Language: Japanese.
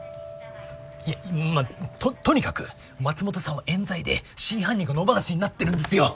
いやまあととにかく松本さんはえん罪で真犯人が野放しになってるんですよ。